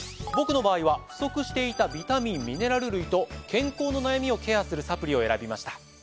僕の場合は不足していたビタミンミネラル類と健康の悩みをケアするサプリを選びました。